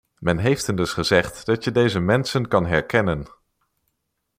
Men heeft hun dus gezegd dat je deze mensen kan herkennen!